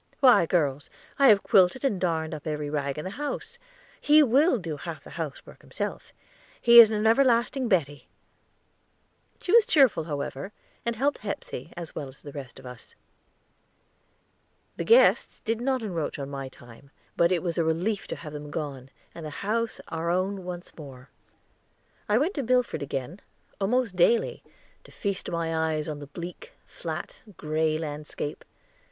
"Why, girls, I have quilted and darned up every rag in the house. He will do half the housework himself; he is an everlasting Betty." She was cheerful, however, and helped Hepsey, as well as the rest of us. The guests did not encroach on my time, but it was a relief to have them gone and the house our own once more. I went to Milford again, almost daily, to feast my eyes on the bleak, flat, gray landscape.